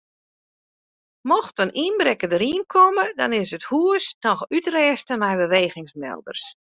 Mocht in ynbrekker deryn komme dan is it hús noch útrêste mei bewegingsmelders.